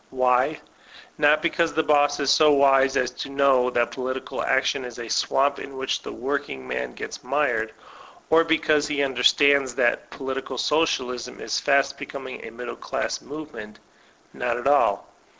Why? Not because the boss is so wise as to know that political action is a swamp in which the workingman gets mired, or because he understands that political Socialism is fast becoming a DutECT Action Q5 middle dass movement ; not at all.